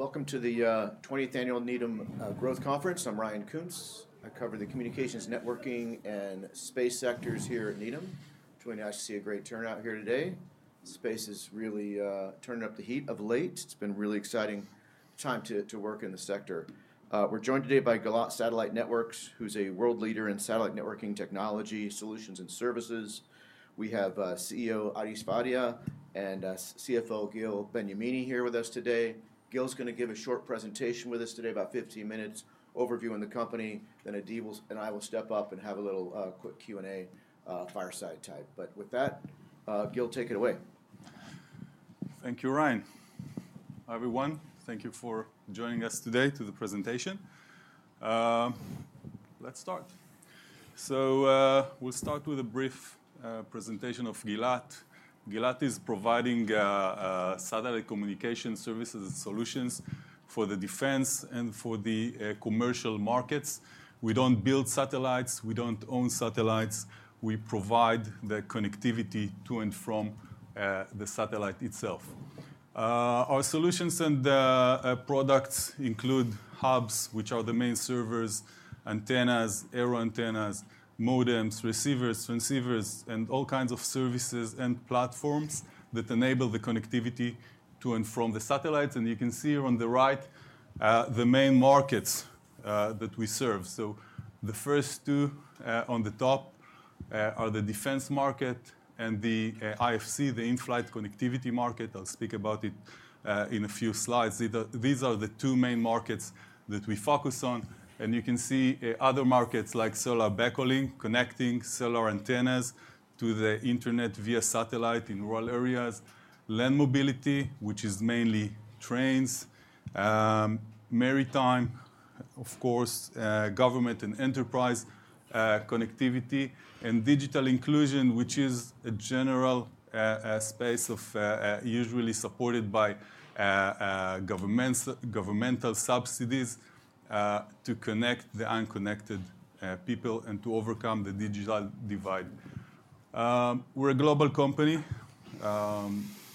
Welcome to the 20th Annual Needham Growth Conference. I'm Ryan Koontz. I cover the communications, networking, and space sectors here at Needham. Joining us, you see a great turnout here today. Space is really turning up the heat of late. It's been a really exciting time to work in the sector. We're joined today by Gilat Satellite Networks, who's a world leader in satellite networking technology solutions and services. We have CEO Adi Sfadia and CFO Gil Benyamini here with us today. Gil's going to give a short presentation with us today, about 15 minutes, overviewing the company. Then Adi and I will step up and have a little quick Q&A fireside type. But with that, Gil, take it away. Thank you, Ryan. Hi, everyone. Thank you for joining us today to the presentation. Let's start. So we'll start with a brief presentation of Gilat. Gilat is providing satellite communication services and solutions for the defense and for the commercial markets. We don't build satellites. We don't own satellites. We provide the connectivity to and from the satellite itself. Our solutions and products include hubs, which are the main servers, antennas, aero antennas, modems, receivers, transceivers, and all kinds of services and platforms that enable the connectivity to and from the satellites. And you can see here on the right the main markets that we serve. So the first two on the top are the defense market and the IFC, the in-flight connectivity market. I'll speak about it in a few slides. These are the two main markets that we focus on. You can see other markets like solar backhauling, connecting solar antennas to the internet via satellite in rural areas, land mobility, which is mainly trains, maritime, of course, government and enterprise connectivity, and digital inclusion, which is a general space usually supported by governmental subsidies to connect the unconnected people and to overcome the digital divide. We're a global company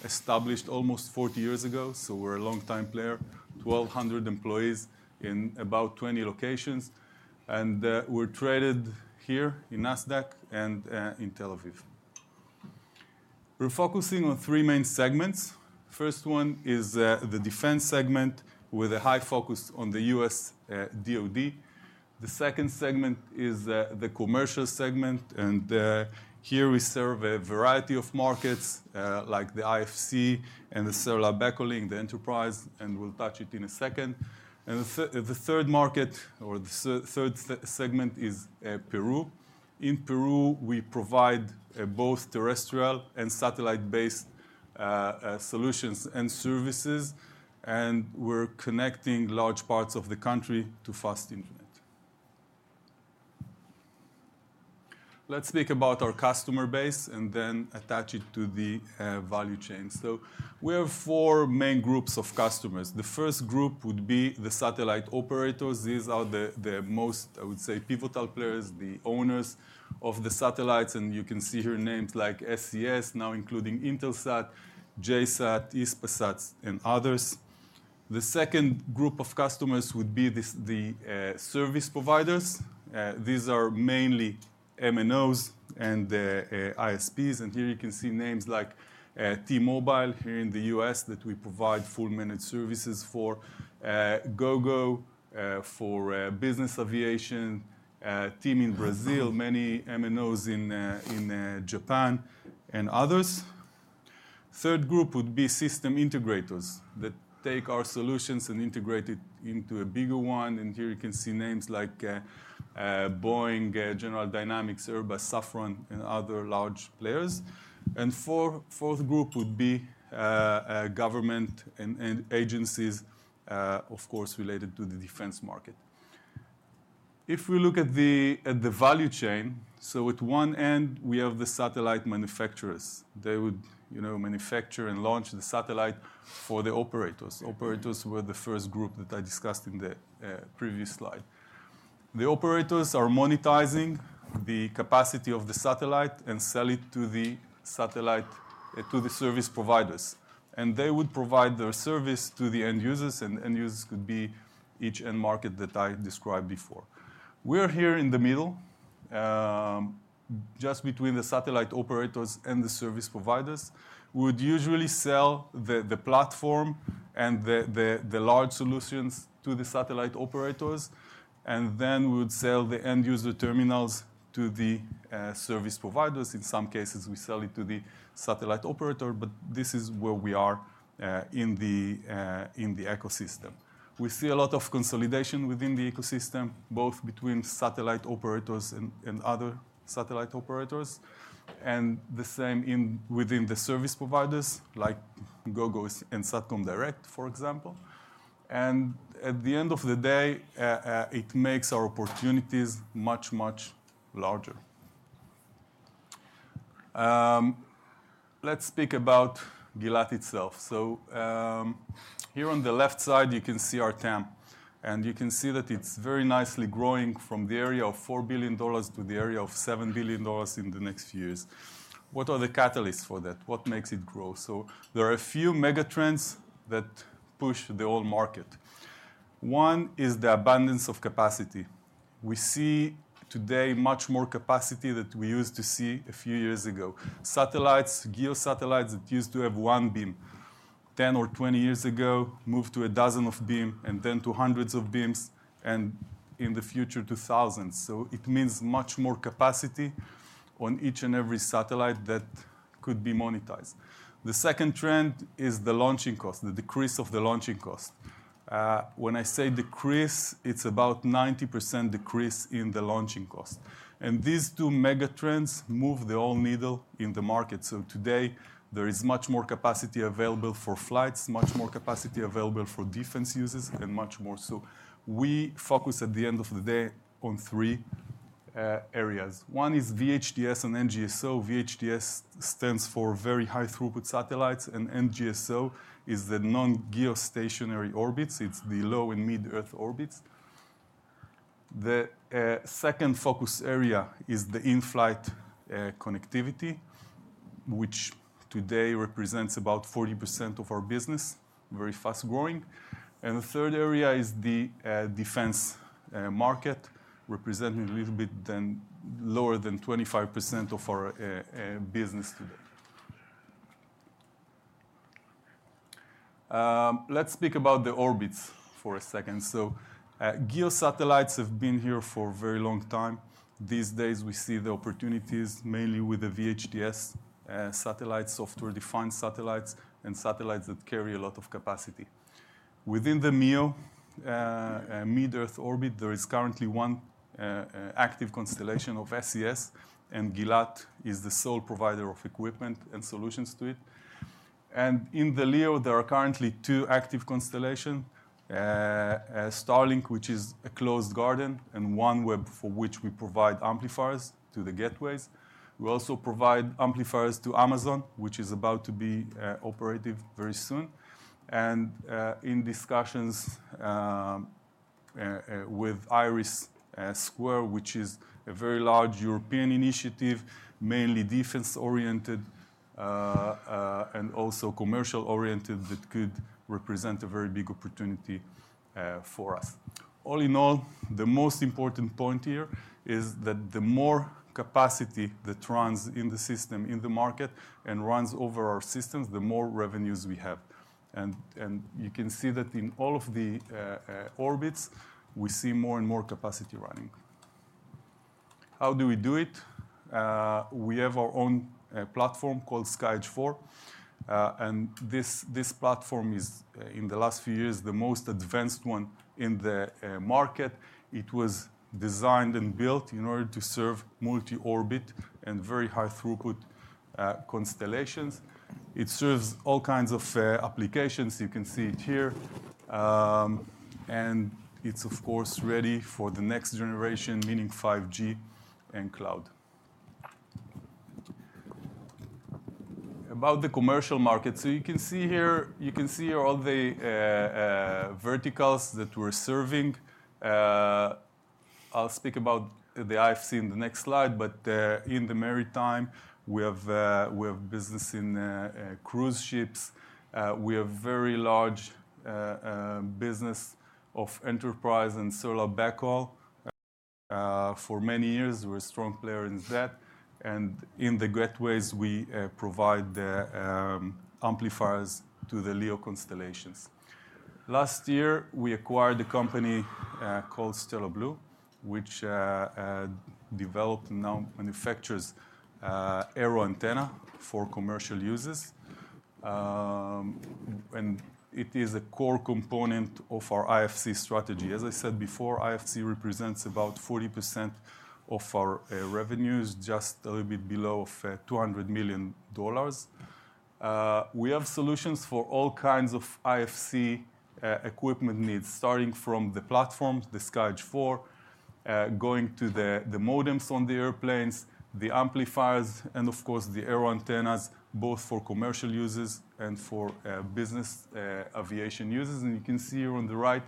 established almost 40 years ago. So we're a long-time player, 1,200 employees in about 20 locations. And we're traded here in Nasdaq and in Tel Aviv. We're focusing on three main segments. The first one is the defense segment with a high focus on the U.S. DOD. The second segment is the commercial segment. And here we serve a variety of markets like the IFC and the solar backhauling, the enterprise, and we'll touch it in a second. And the third market, or the third segment, is Peru. In Peru, we provide both terrestrial and satellite-based solutions and services. And we're connecting large parts of the country to fast internet. Let's speak about our customer base and then attach it to the value chain. So we have four main groups of customers. The first group would be the satellite operators. These are the most, I would say, pivotal players, the owners of the satellites. And you can see here names like SES, now including Intelsat, JSAT, Hispasat, and others. The second group of customers would be the service providers. These are mainly MNOs and ISPs. And here you can see names like T-Mobile here in the U.S. that we provide full-minute services for, Gogo for business aviation, TIM in Brazil, many MNOs in Japan, and others. The third group would be system integrators that take our solutions and integrate it into a bigger one. Here you can see names like Boeing, General Dynamics, Airbus, Safran, and other large players. The fourth group would be government and agencies, of course, related to the defense market. If we look at the value chain, so at one end, we have the satellite manufacturers. They would manufacture and launch the satellite for the operators. Operators were the first group that I discussed in the previous slide. The operators are monetizing the capacity of the satellite and sell it to the service providers. They would provide their service to the end-users. End users could be each end market that I described before. We are here in the middle, just between the satellite operators and the service providers. We would usually sell the platform and the large solutions to the satellite operators. Then we would sell the end-user terminals to the service providers. In some cases, we sell it to the satellite operator. But this is where we are in the ecosystem. We see a lot of consolidation within the ecosystem, both between satellite operators and other satellite operators, and the same within the service providers like Gogo and Satcom Direct, for example. And at the end of the day, it makes our opportunities much, much larger. Let's speak about Gilat itself. So here on the left side, you can see our TAM. And you can see that it's very nicely growing from the area of $4 billion to the area of $7 billion in the next few years. What are the catalysts for that? What makes it grow? So there are a few megatrends that push the whole market. One is the abundance of capacity. We see today much more capacity than we used to see a few years ago. Satellites, GEO satellites that used to have one beam 10 or 20 years ago moved to a dozen of beams and then to hundreds of beams and in the future to thousands. So it means much more capacity on each and every satellite that could be monetized. The second trend is the launching cost, the decrease of the launching cost. When I say decrease, it's about 90% decrease in the launching cost, and these two megatrends move the whole needle in the market. So today, there is much more capacity available for flights, much more capacity available for defense users, and much more. So we focus at the end of the day on three areas. One is VHTS and NGSO. VHTS stands for very high throughput satellites, and NGSO is the non-geostationary orbits. It's the low and mid-earth orbits. The second focus area is the in-flight connectivity, which today represents about 40% of our business, very fast growing, and the third area is the defense market, representing a little bit lower than 25% of our business today. Let's speak about the orbits for a second, so geosatellites have been here for a very long time. These days, we see the opportunities mainly with the VHTS satellites, software-defined satellites, and satellites that carry a lot of capacity. Within the MEO, medium-earth orbit, there is currently one active constellation of SES, and Gilat is the sole provider of equipment and solutions to it, and in the LEO, there are currently two active constellations, Starlink, which is a closed garden, and OneWeb, for which we provide amplifiers to the gateways. We also provide amplifiers to Amazon, which is about to be operative very soon. In discussions with IRIS square, which is a very large European initiative, mainly defense-oriented and also commercial-oriented, that could represent a very big opportunity for us. All in all, the most important point here is that the more capacity that runs in the system, in the market, and runs over our systems, the more revenues we have. You can see that in all of the orbits, we see more and more capacity running. How do we do it? We have our own platform called SkyEdge IV. This platform is, in the last few years, the most advanced one in the market. It was designed and built in order to serve multi-orbit and very high throughput constellations. It serves all kinds of applications. You can see it here. It's, of course, ready for the next generation, meaning 5G and cloud. About the commercial market, so you can see here all the verticals that we're serving. I'll speak about the IFC in the next slide, but in the maritime, we have business in cruise ships. We have a very large business of enterprise and solar backhaul. For many years, we're a strong player in that, and in the gateways, we provide the amplifiers to the LEO constellations. Last year, we acquired a company called Stellar Blu, which developed and now manufactures aero antenna for commercial users, and it is a core component of our IFC strategy. As I said before, IFC represents about 40% of our revenues, just a little bit below $200 million. We have solutions for all kinds of IFC equipment needs, starting from the platforms, the SkyEdge IV, going to the modems on the airplanes, the amplifiers, and of course, the aero antennas, both for commercial users and for business aviation users, and you can see here on the right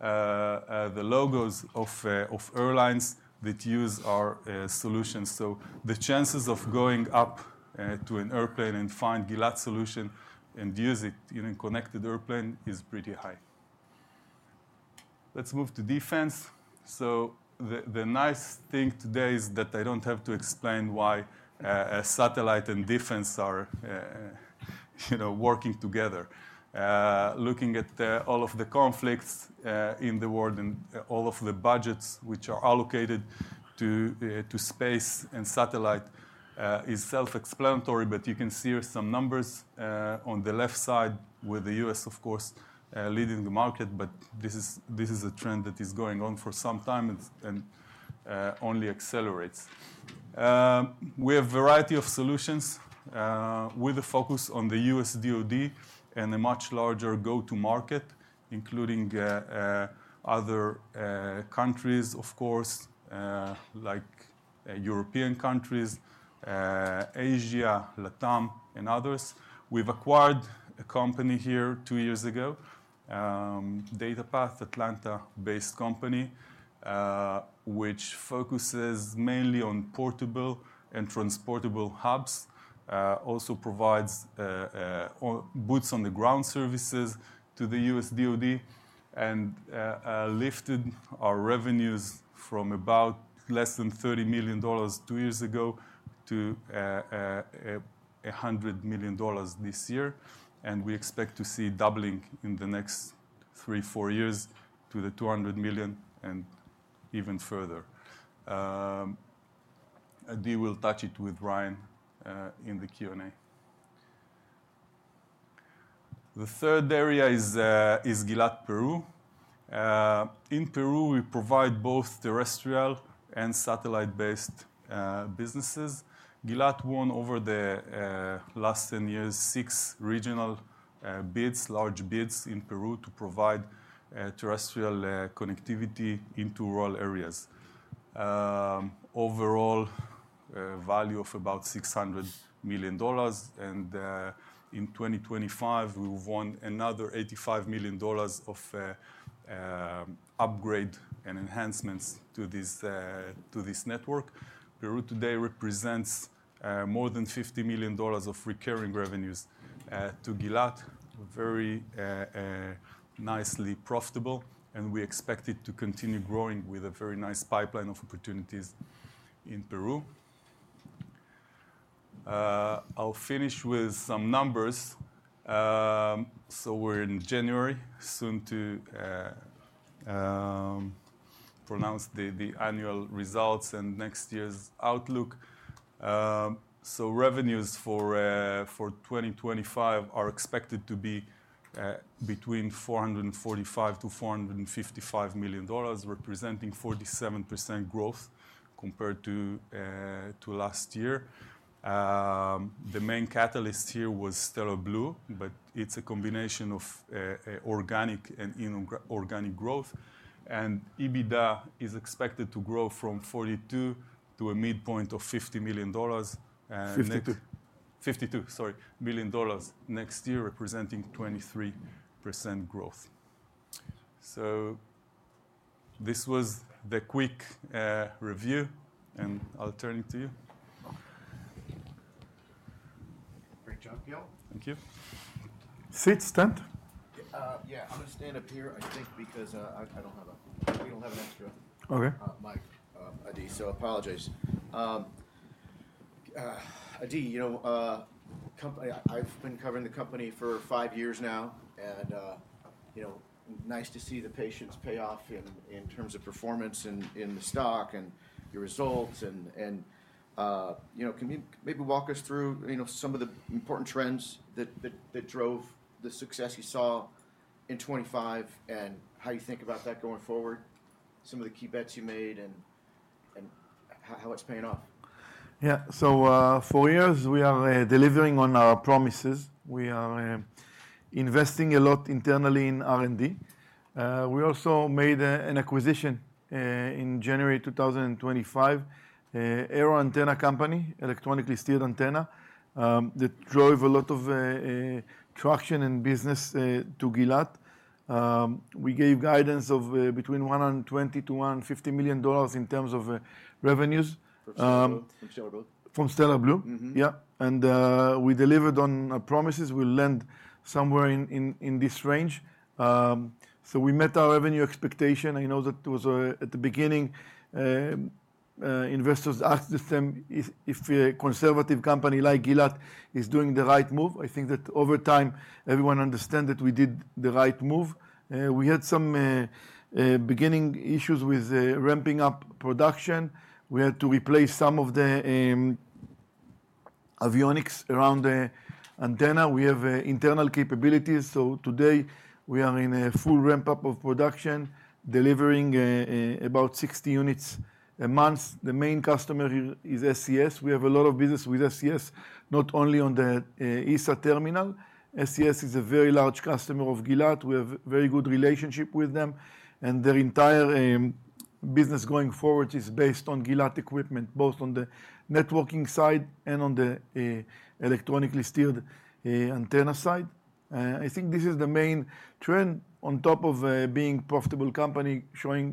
the logos of airlines that use our solutions, so the chances of going up to an airplane and finding a Gilat solution and using it in a connected airplane is pretty high. Let's move to defense, so the nice thing today is that I don't have to explain why satellite and defense are working together. Looking at all of the conflicts in the world and all of the budgets which are allocated to space and satellite is self-explanatory, but you can see here some numbers on the left side with the U.S., of course, leading the market. This is a trend that is going on for some time and only accelerates. We have a variety of solutions with a focus on the U.S. DOD and a much larger go-to market, including other countries, of course, like European countries, Asia, LATAM, and others. We've acquired a company here two years ago, DataPath, Atlanta-based company, which focuses mainly on portable and transportable hubs. Also provides boots-on-the-ground services to the U.S. DOD and lifted our revenues from about less than $30 million two years ago to $100 million this year. We expect to see doubling in the next three, four years to the $200 million and even further. Adi will touch it with Ryan in the Q&A. The third area is Gilat, Peru. In Peru, we provide both terrestrial and satellite-based businesses. Gilat won over the last 10 years six regional bids, large bids in Peru to provide terrestrial connectivity into rural areas. Overall, value of about $600 million. In 2025, we won another $85 million of upgrade and enhancements to this network. Peru today represents more than $50 million of recurring revenues to Gilat, very nicely profitable. We expect it to continue growing with a very nice pipeline of opportunities in Peru. I'll finish with some numbers. We're in January, soon to announce the annual results and next year's outlook. Revenues for 2025 are expected to be between $445-$455 million, representing 47% growth compared to last year. The main catalyst here was Stellar Blu, but it's a combination of organic and inorganic growth. EBITDA is expected to grow from $42 million to a midpoint of $50 million, $52 million. $52 million next year, representing 23% growth. This was the quick review. I'll turn it to you. Great job, Gil. Thank you. Seat, stand. Yeah, I'm going to stand up here, I think, because I don't have, we don't have an extra mic. Adi, so apologies. Adi, I've been covering the company for five years now. Nice to see the patience pay off in terms of performance in the stock and your results. Can you maybe walk us through some of the important trends that drove the success you saw in 2025 and how you think about that going forward, some of the key bets you made and how it's paying off? Yeah. For years, we are delivering on our promises. We are investing a lot internally in R&D. We also made an acquisition in January 2025, AeroAntenna Company, electronically steered antenna that drove a lot of traction and business to Gilat. We gave guidance of between $120-$150 million in terms of revenues. From Stellar Blu. From Stellar Blu, yeah. And we delivered on our promises. We'll land somewhere in this range. So we met our revenue expectation. I know that at the beginning, investors asked us if a conservative company like Gilat is doing the right move. I think that over time, everyone understands that we did the right move. We had some beginning issues with ramping up production. We had to replace some of the avionics around the antenna. We have internal capabilities. So today, we are in a full ramp-up of production, delivering about 60 units a month. The main customer is SES. We have a lot of business with SES, not only on the ESA terminal. SES is a very large customer of Gilat. We have a very good relationship with them. And their entire business going forward is based on Gilat equipment, both on the networking side and on the electronically steered antenna side. I think this is the main trend on top of being a profitable company, showing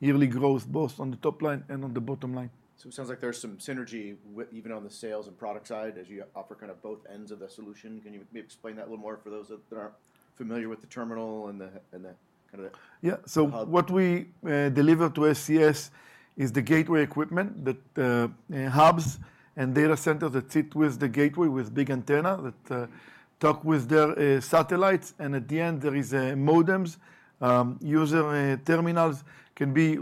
yearly growth both on the top line and on the bottom line. So it sounds like there's some synergy even on the sales and product side as you offer kind of both ends of the solution. Can you maybe explain that a little more for those that aren't familiar with the terminal and the kind of hubs? Yeah. So what we deliver to SES is the gateway equipment, the hubs and data centers that sit with the gateway with big antenna that talk with their satellites. And at the end, there are modems. User terminals can be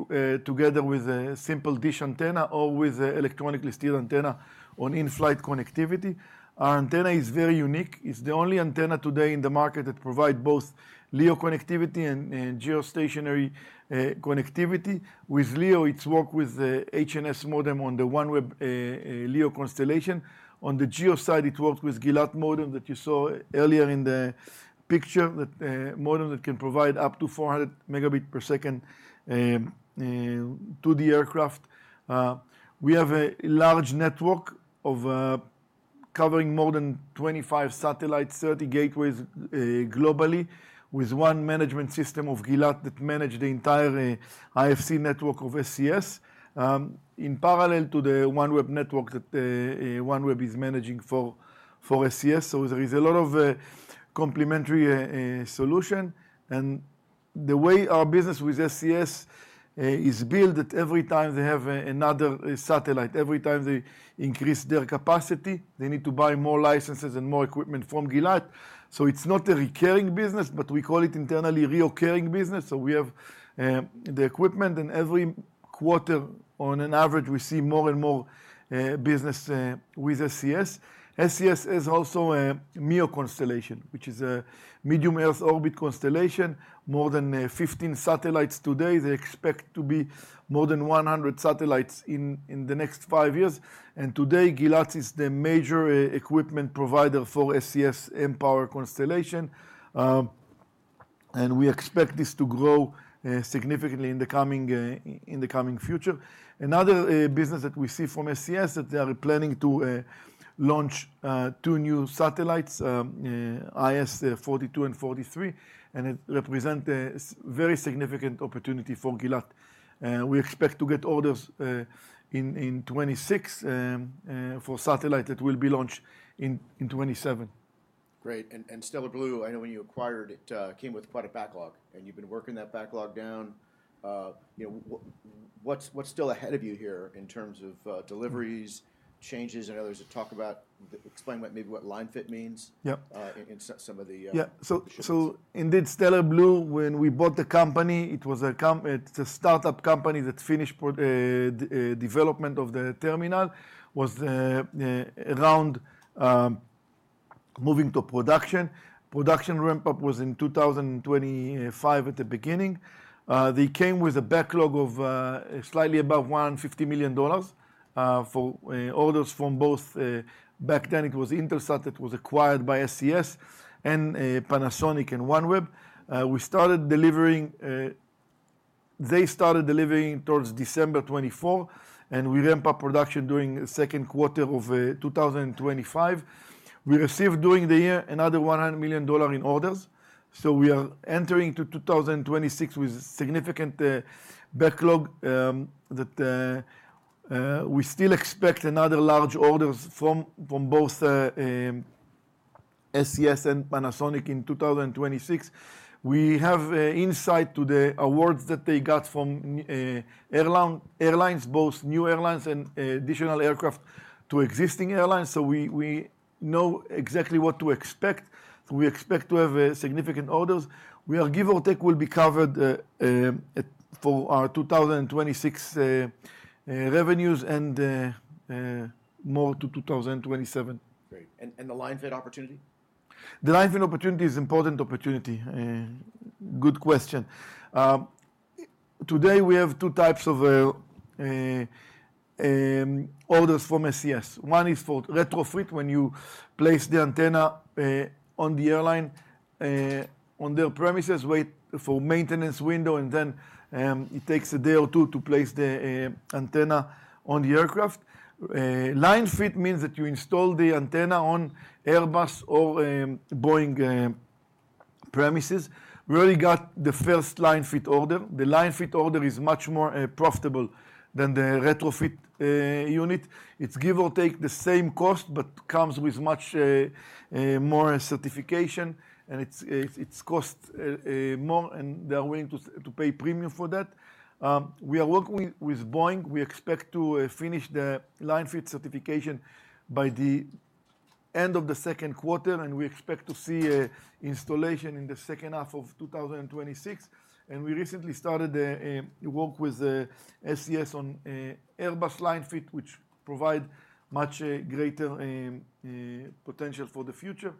together with a simple dish antenna or with an electronically steered antenna on in-flight connectivity. Our antenna is very unique. It's the only antenna today in the market that provides both LEO connectivity and geostationary connectivity. With LEO, it's worked with the HNS modem on the OneWeb LEO constellation. On the geo side, it works with Gilat modem that you saw earlier in the picture, that modem that can provide up to 400 Mb per second to the aircraft. We have a large network covering more than 25 satellites, 30 gateways globally, with one management system of Gilat that manages the entire IFC network of SES in parallel to the OneWeb network that OneWeb is managing for SES, so there is a lot of complementary solution, and the way our business with SES is built is that every time they have another satellite, every time they increase their capacity, they need to buy more licenses and more equipment from Gilat, so it's not a recurring business, but we call it internally recurring business, so we have the equipment, and every quarter, on average, we see more and more business with SES. SES is also a MEO constellation, which is a medium-earth orbit constellation. More than 15 satellites today. They expect to be more than 100 satellites in the next five years. Today, Gilat is the major equipment provider for SES mPOWER constellation. We expect this to grow significantly in the coming future. Another business that we see from SES is that they are planning to launch two new satellites, IS-42 and IS-43, and it represents a very significant opportunity for Gilat. We expect to get orders in 2026 for satellites that will be launched in 2027. Great. Stellar Blu, I know when you acquired it, it came with quite a backlog. You've been working that backlog down. What's still ahead of you here in terms of deliveries, changes, and others? Explain maybe what line-fit means in some of the. Yeah. So indeed, Stellar Blu, when we bought the company, it was a startup company that finished development of the terminal, was around moving to production. Production ramp-up was in 2025 at the beginning. They came with a backlog of slightly above $150 million for orders from both. Back then, it was Intelsat that was acquired by SES and Panasonic and OneWeb. We started delivering. They started delivering towards December 2024, and we ramped up production during the second quarter of 2025. We received during the year another $100 million in orders, so we are entering 2026 with significant backlog that we still expect another large orders from both SES and Panasonic in 2026. We have insight to the awards that they got from airlines, both new airlines and additional aircraft to existing airlines. So we know exactly what to expect. We expect to have significant orders. We are give or take will be covered for our 2026 revenues and more to 2027. Great. And the line fit opportunity? The line fit opportunity is an important opportunity. Good question. Today, we have two types of orders from SES. One is for retrofit when you place the antenna on the airline on their premises, wait for a maintenance window, and then it takes a day or two to place the antenna on the aircraft. Line-fit means that you install the antenna on Airbus or Boeing premises. We already got the first Line-fit order. The Line-fit order is much more profitable than the retrofit unit. It's give or take the same cost but comes with much more certification, and it's cost more, and they are willing to pay premium for that. We are working with Boeing. We expect to finish the Line-fit certification by the end of the second quarter, and we expect to see installation in the second half of 2026. And we recently started work with SES on Airbus line fit, which provides much greater potential for the future.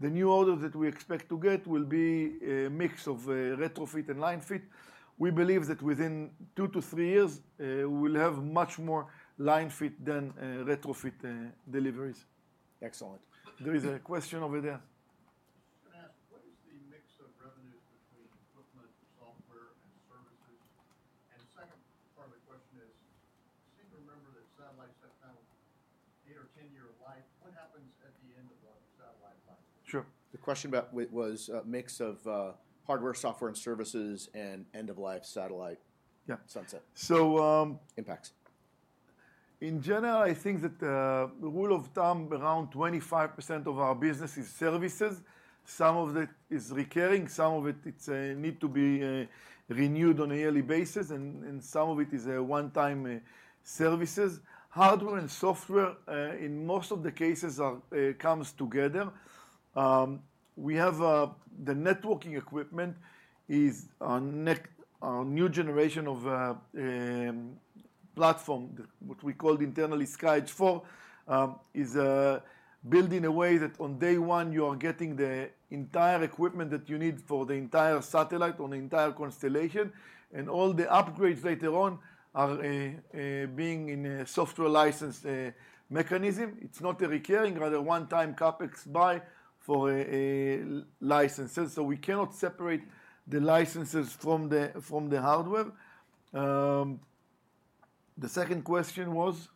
The new orders that we expect to get will be a mix of retrofit and line fit. We believe that within two to three years, we will have much more line fit than retrofit deliveries. Excellent. There is a question over there. Can I ask, what is the mix of revenues between equipment, software, and services? And the second part of the question is, I seem to remember that satellites have kind of an eight or 10-year life. What happens at the end of the satellite life? Sure. The question was a mix of hardware, software, and services and end-of-life satellite sunset. Yeah. So impacts. In general, I think that the rule of thumb around 25% of our business is services. Some of it is recurring. Some of it needs to be renewed on a yearly basis, and some of it is one-time services. Hardware and software, in most of the cases, come together. We have the networking equipment is our new generation of platform, what we called internally SkyEdge IV, is built in a way that on day one, you are getting the entire equipment that you need for the entire satellite on the entire constellation, and all the upgrades later on are being in a software license mechanism. It's not a recurring, rather one-time CapEx buy for licenses. So we cannot separate the licenses from the hardware. The second question was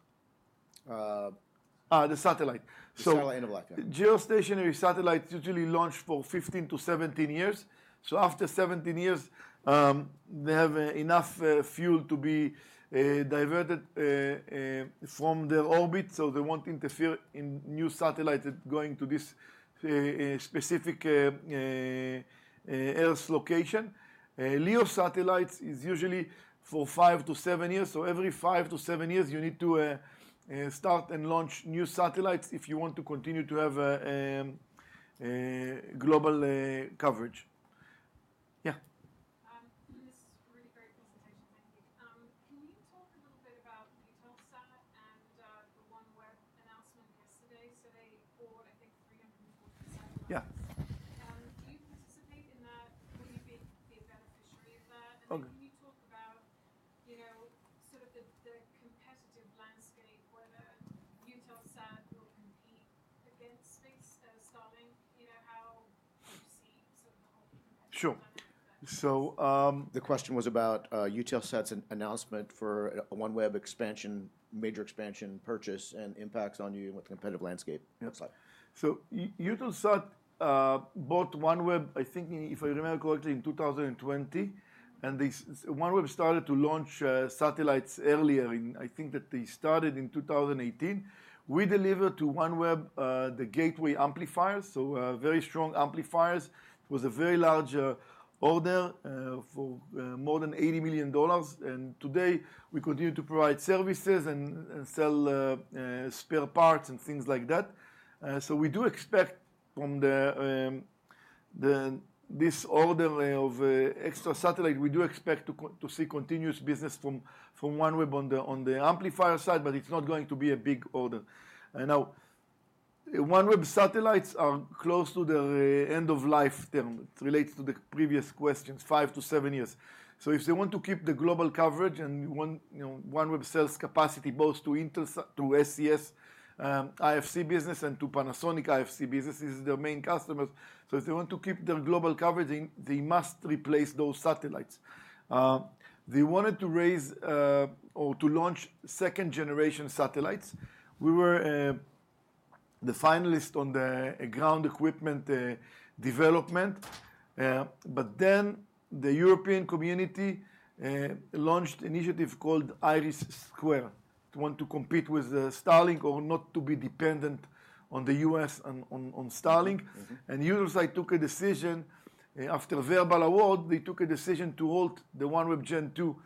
the satellite end-of-life. Geostationary satellites usually launch for 15-17 years. So after 17 years, they have enough fuel to be diverted from their orbit. So they won't interfere in new satellites going to this specific Earth location. LEO satellites is usually for five to seven years. So every five to seven years, you need to start and launch new satellites if you want to continue to have global coverage. Yeah. This is a really great presentation. Thank you. Can you talk a little bit about Intelsat and the OneWeb announcement yesterday? So they bought, I think, 340 satellites. Yeah. Do you participate in that? Would you be a beneficiary of that? And can you talk about sort of the competitive landscape, whether Intelsat will compete against Starlink? How do you see sort of the whole competitive dynamic there? Sure. So the question was about Intelsat's announcement for OneWeb expansion, major expansion purchase, and impacts on you and with the competitive landscape. Next slide. So Intelsat bought OneWeb, I think, if I remember correctly, in 2020. And OneWeb started to launch satellites earlier. I think that they started in 2018. We delivered to OneWeb the gateway amplifiers, so very strong amplifiers. It was a very large order for more than $80 million, and today, we continue to provide services and sell spare parts and things like that, so we do expect from this order of extra satellites, we do expect to see continuous business from OneWeb on the amplifier side, but it's not going to be a big order. Now, OneWeb satellites are close to their end-of-life term. It relates to the previous questions, five to seven years, so if they want to keep the global coverage and OneWeb sells capacity both to SES IFC business and to Panasonic IFC business, these are their main customers, so if they want to keep their global coverage, they must replace those satellites. They wanted to raise or to launch second-generation satellites. We were the finalist on the ground equipment development, but then the European community launched an initiative called IRIS square to want to compete with Starlink or not to be dependent on the US and on Starlink, and the user side took a decision after a verbal award. They took a decision to hold the OneWeb Gen2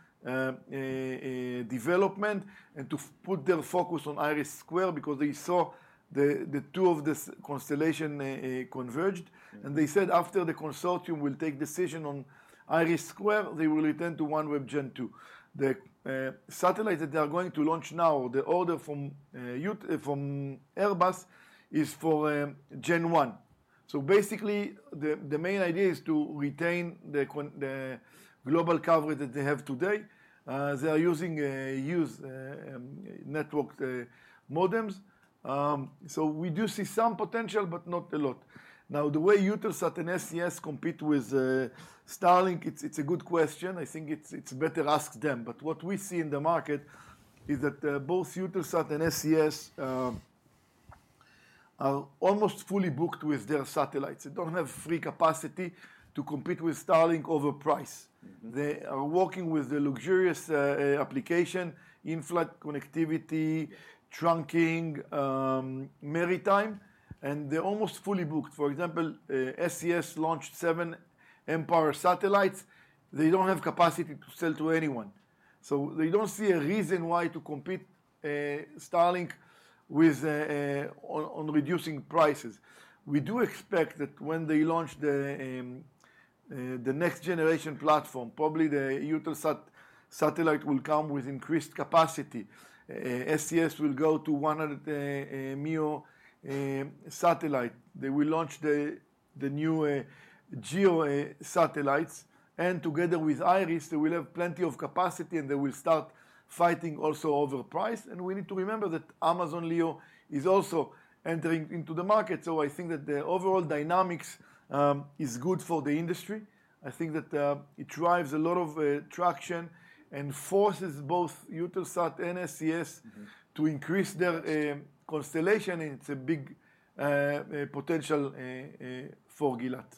development and to put their focus on IRIS square because they saw the two of this constellation converged, and they said after the consortium will take decision on IRIS square, they will return to OneWeb Gen2. The satellite that they are going to launch now, the order from Airbus, is for Gen1, so basically, the main idea is to retain the global coverage that they have today. They are using used network modems, so we do see some potential, but not a lot. Now, the way Eutelsat and SES compete with Starlink, it's a good question. I think it's better to ask them, but what we see in the market is that both Eutelsat and SES are almost fully booked with their satellites. They don't have free capacity to compete with Starlink over price. They are working with the lucrative applications, in-flight connectivity, trunking, maritime, and they are almost fully booked. For example, SES launched seven mPOWER satellites. They don't have capacity to sell to anyone, so they don't see a reason why to compete Starlink on reducing prices. We do expect that when they launch the next-generation platform, probably the Eutelsat satellite will come with increased capacity. SES will go to 100 MEO satellites. They will launch the new GEO satellites, and together with IRIS square, they will have plenty of capacity, and they will start fighting also over price, and we need to remember that Amazon LEO is also entering into the market. So I think that the overall dynamics is good for the industry. I think that it drives a lot of traction and forces both Eutelsat and SES to increase their constellation. And it's a big potential for Gilat.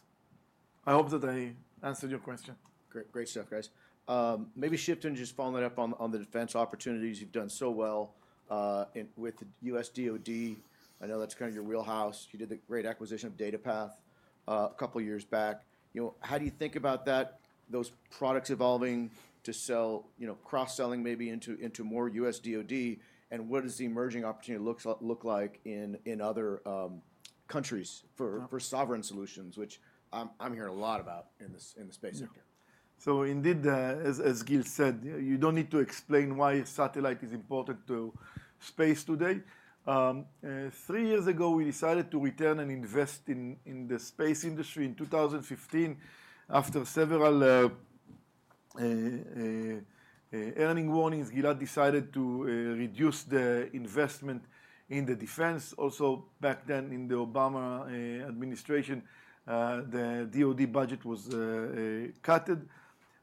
I hope that I answered your question. Great. Great stuff, guys. Maybe Shifton, just following that up on the defense opportunities you've done so well with the U.S. DOD. I know that's kind of your wheelhouse. You did the great acquisition of DataPath a couple of years back. How do you think about those products evolving to sell, cross-selling maybe into more U.S. DOD? And what does the emerging opportunity look like in other countries for sovereign solutions, which I'm hearing a lot about in the space sector? So indeed, as Gil said, you don't need to explain why satellite is important to space today. Three years ago, we decided to return and invest in the space industry in 2015. After several earnings warnings, Gilat decided to reduce the investment in the defense. Also, back then in the Obama administration, the DOD budget was cut.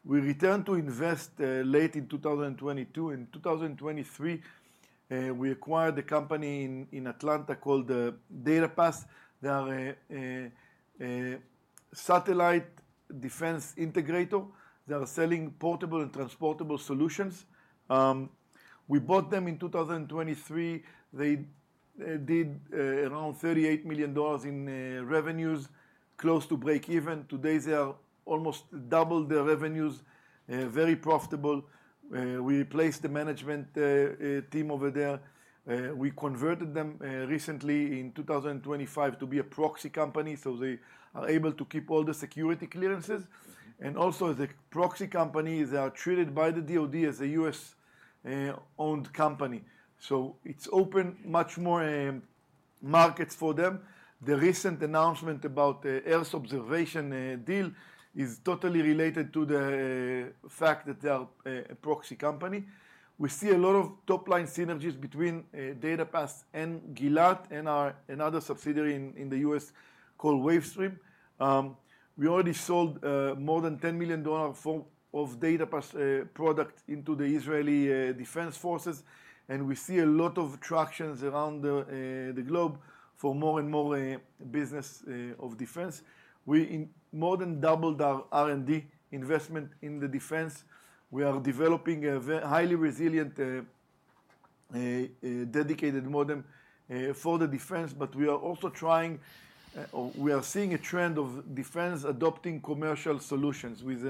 We returned to invest late in 2022. In 2023, we acquired a company in Atlanta called DataPath. They are a satellite defense integrator. They are selling portable and transportable solutions. We bought them in 2023. They did around $38 million in revenues, close to break-even. Today, they are almost double the revenues, very profitable. We replaced the management team over there. We converted them recently in 2025 to be a proxy company. So they are able to keep all the security clearances. And also, as a proxy company, they are treated by the DOD as a U.S.-owned company. So it's opened much more markets for them. The recent announcement about the Earth observation deal is totally related to the fact that they are a proxy company. We see a lot of top-line synergies between DataPath and Gilat and our other subsidiary in the U.S. called Wavestream. We already sold more than $10 million of DataPath product into the Israeli Defense Forces. And we see a lot of traction around the globe for more and more business of defense. We more than doubled our R&D investment in the defense. We are developing a highly resilient, dedicated modem for the defense. But we are also trying, or we are seeing a trend of defense adopting commercial solutions with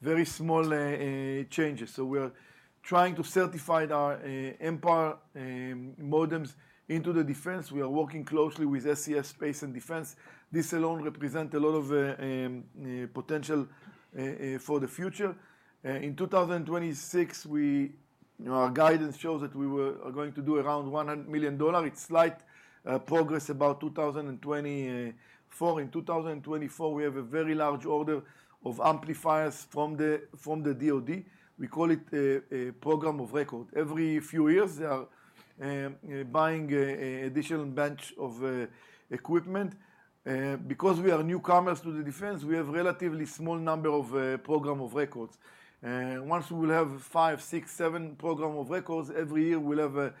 very small changes. So we are trying to certify our M-Power modems into the defense. We are working closely with SES Space and Defense. This alone represents a lot of potential for the future. In 2026, our guidance shows that we are going to do around $100 million. It's slight progress about 2024. In 2024, we have a very large order of amplifiers from the DOD. We call it a program of record. Every few years, they are buying an additional batch of equipment. Because we are newcomers to the defense, we have a relatively small number of program of records. Once we will have five, six, seven program of records, every year we'll have a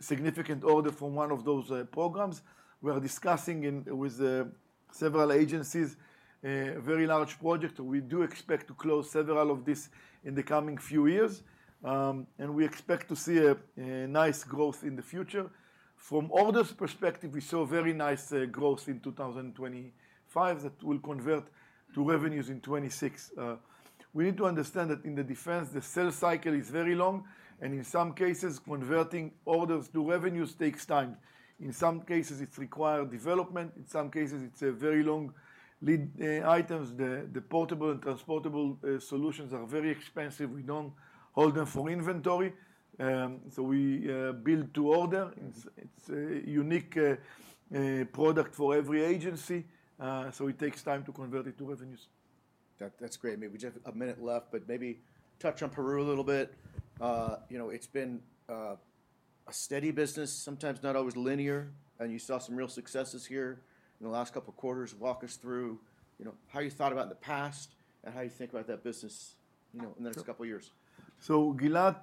significant order from one of those programs. We are discussing with several agencies a very large project. We do expect to close several of these in the coming few years, and we expect to see a nice growth in the future. From orders perspective, we saw very nice growth in 2025 that will convert to revenues in 2026. We need to understand that in the defense, the sales cycle is very long, and in some cases, converting orders to revenues takes time. In some cases, it's required development. In some cases, it's very long items. The portable and transportable solutions are very expensive. We don't hold them for inventory, so we build to order. It's a unique product for every agency, so it takes time to convert it to revenues. That's great. Maybe we just have a minute left, but maybe touch on Peru a little bit. It's been a steady business, sometimes not always linear, and you saw some real successes here in the last couple of quarters. Walk us through how you thought about in the past and how you think about that business in the next couple of years. So Gilat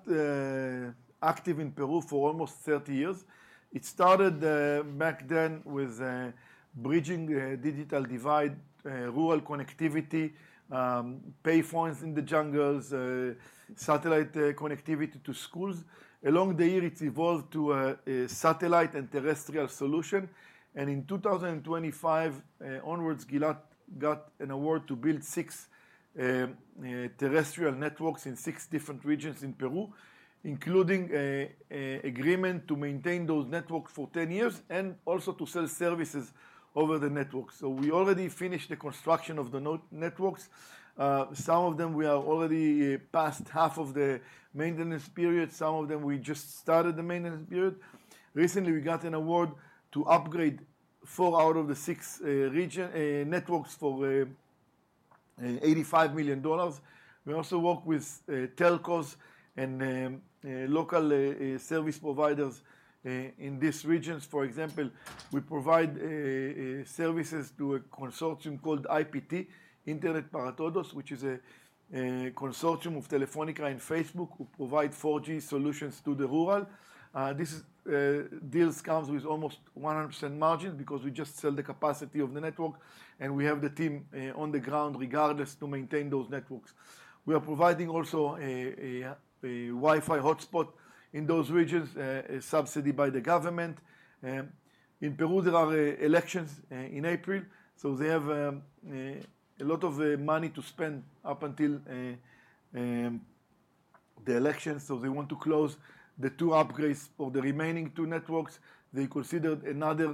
active in Peru for almost 30 years. It started back then with bridging Digital Divide, rural connectivity, payphones in the jungles, satellite connectivity to schools. Over the years, it's evolved to a satellite and terrestrial solution, and in 2025 onwards, Gilat got an award to build six terrestrial networks in six different regions in Peru, including an agreement to maintain those networks for 10 years and also to sell services over the networks, so we already finished the construction of the networks. Some of them, we are already past half of the maintenance period. Some of them, we just started the maintenance period. Recently, we got an award to upgrade four out of the six networks for $85 million. We also work with telcos and local service providers in these regions. For example, we provide services to a consortium called IPT, Internet para Todos, which is a consortium of Telefónica and Facebook who provide 4G solutions to the rural. This deal comes with almost 100% margin because we just sell the capacity of the network, and we have the team on the ground regardless to maintain those networks. We are providing also a Wi-Fi hotspot in those regions, subsidized by the government. In Peru, there are elections in April, so they have a lot of money to spend up until the election, so they want to close the two upgrades for the remaining two networks. They considered another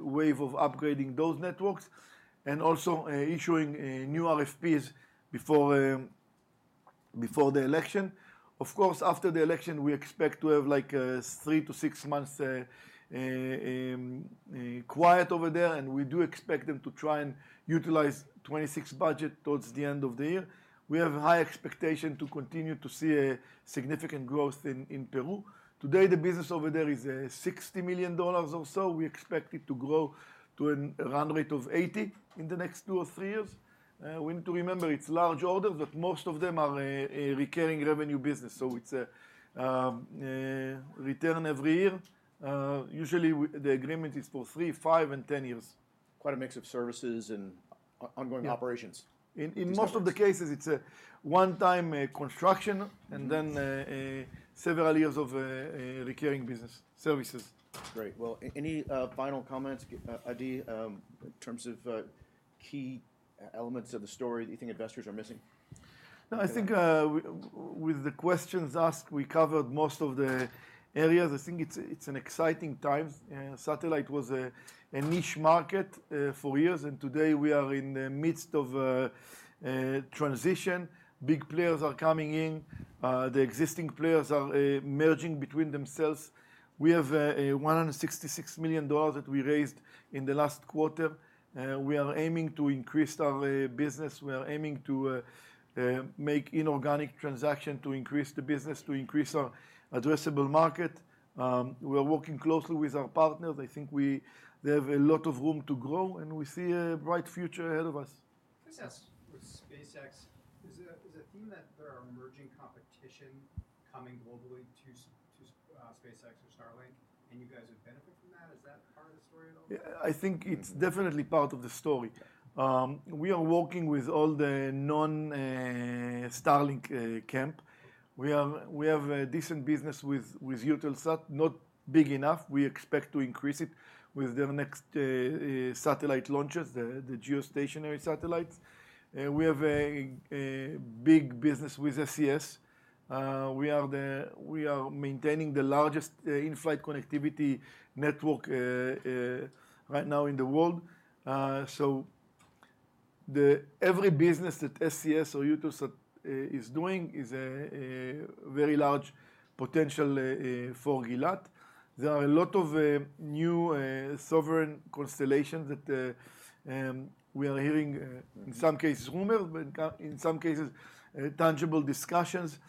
wave of upgrading those networks and also issuing new RFPs before the election. Of course, after the election, we expect to have like three to six months quiet over there. We do expect them to try and utilize the 2026 budget towards the end of the year. We have a high expectation to continue to see a significant growth in Peru. Today, the business over there is $60 million or so. We expect it to grow to a run rate of $80 million in the next two or three years. We need to remember it's large orders, but most of them are recurring revenue business. It's a return every year. Usually, the agreement is for three, five, and ten years. Quite a mix of services and ongoing operations. In most of the cases, it's a one-time construction and then several years of recurring business services. Great. Any final comments, Adi, in terms of key elements of the story that you think investors are missing? No, I think with the questions asked, we covered most of the areas. I think it's an exciting time. Satellite was a niche market for years, and today, we are in the midst of a transition. Big players are coming in. The existing players are merging between themselves. We have $166 million that we raised in the last quarter. We are aiming to increase our business. We are aiming to make inorganic transactions to increase the business, to increase our addressable market. We are working closely with our partners. I think they have a lot of room to grow, and we see a bright future ahead of us. What's up with SpaceX? Is it a theme that there are emerging competition coming globally to SpaceX or Starlink? And you guys would benefit from that? Is that part of the story at all? Yeah, I think it's definitely part of the story. We are working with all the non-Starlink camp. We have decent business with Eutelsat, not big enough. We expect to increase it with their next satellite launches, the geostationary satellites. We have a big business with SES. We are maintaining the largest in-flight connectivity network right now in the world, so every business that SES or Eutelsat is doing is a very large potential for Gilat. There are a lot of new sovereign constellations that we are hearing, in some cases, rumors, but in some cases, tangible discussions.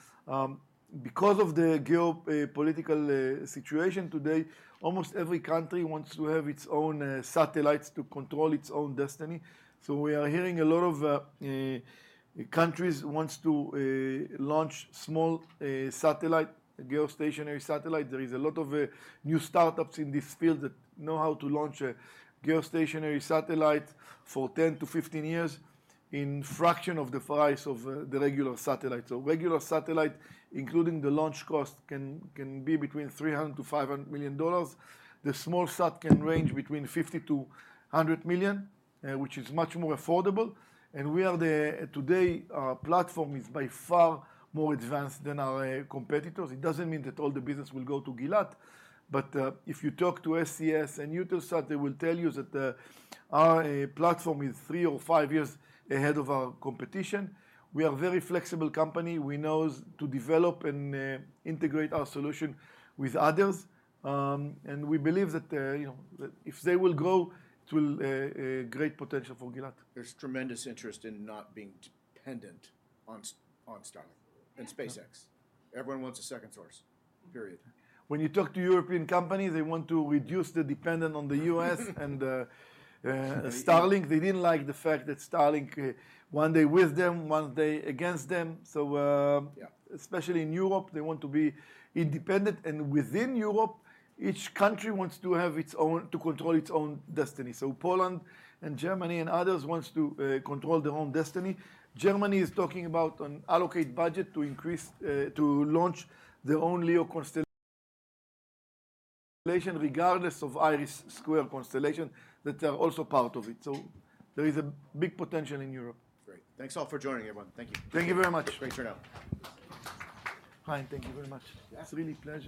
Because of the geopolitical situation today, almost every country wants to have its own satellites to control its own destiny, so we are hearing a lot of countries want to launch small satellites, geostationary satellites. There is a lot of new startups in this field that know how to launch a geostationary satellite for 10-15 years in a fraction of the price of the regular satellite. Regular satellite, including the launch cost, can be between $300-$500 million. The small sat can range between $50-$100 million, which is much more affordable. Today, our platform is by far more advanced than our competitors. It doesn't mean that all the business will go to Gilat. If you talk to SES and Eutelsat, they will tell you that our platform is three or five years ahead of our competition. We are a very flexible company. We know to develop and integrate our solution with others. We believe that if they will grow, it will be a great potential for Gilat. There's tremendous interest in not being dependent on Starlink and SpaceX. Everyone wants a second source, period. When you talk to European companies, they want to reduce the dependence on the U.S. And Starlink, they didn't like the fact that Starlink one day with them, one day against them. So especially in Europe, they want to be independent. And within Europe, each country wants to control its own destiny. So Poland and Germany and others want to control their own destiny. Germany is talking about allocating budget to launch their own LEO constellation, regardless of IRIS square constellation, that they are also part of it. So there is a big potential in Europe. Great. Thanks all for joining, everyone. Thank you. Thank you very much. Great to know. Hi, and thank you very much. It's really great.